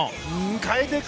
変えていく！